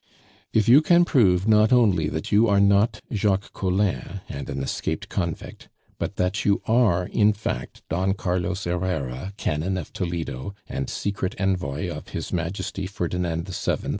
"If you can prove not merely that you are not Jacques Collin and an escaped convict, but that you are in fact Don Carlos Herrera, canon of Toledo, and secret envoy of this Majesty Ferdinand VII.